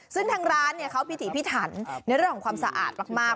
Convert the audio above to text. ซึ่งทางร้านเขาพิถีพิถันในเรื่องของความสะอาดมาก